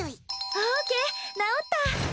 オーケー直った！